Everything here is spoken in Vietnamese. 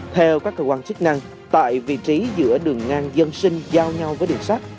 theo các cơ quan chức năng tại vị trí giữa đường ngang dân sinh giao nhau với đường sắt